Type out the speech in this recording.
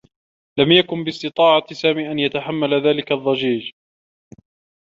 لم يكن باستطاعة سامي أن يتحمّل ذلك الضّجيج.